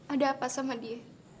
ada apa sama dia